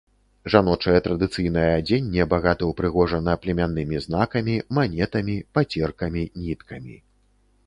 Жаночае традыцыйнае адзенне багата ўпрыгожана племяннымі знакамі, манетамі, пацеркамі, ніткамі.